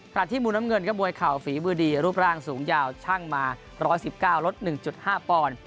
ขณะที่มูลน้ำเงินก็มวยข่าวฝีมือดีรูปร่างสูงยาวช่างมาร้อยสิบเก้ารถหนึ่งจุดห้าปอนด์